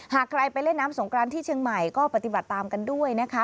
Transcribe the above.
หากใครไปเล่นน้ำสงกรานที่เชียงใหม่ก็ปฏิบัติตามกันด้วยนะคะ